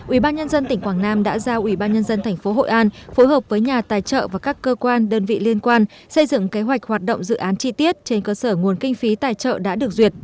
ubnd tỉnh quảng nam đã giao ubnd thành phố hội an phối hợp với nhà tài trợ và các cơ quan đơn vị liên quan xây dựng kế hoạch hoạt động dự án chi tiết trên cơ sở nguồn kinh phí tài trợ đã được duyệt